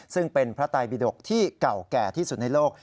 ซึ่งเป็นพระไตบิดกที่เก่าแก่ที่สุดในโลก